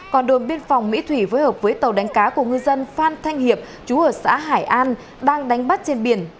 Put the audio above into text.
còn đồn biên phòng mỹ thủy phối hợp với tàu đánh cá của ngư dân phan thanh hiệp chú ở xã hải an đang đánh bắt trên biển